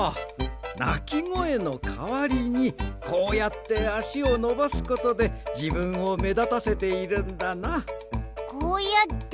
なきごえのかわりにこうやってあしをのばすことでじぶんをめだたせているんだな。